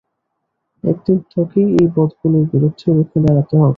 একদিন তোকেই এই বদগুলোর বিরুদ্ধে রুখে দাঁড়াতে হবে।